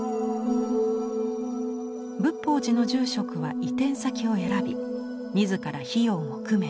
仏法寺の住職は移転先を選び自ら費用も工面。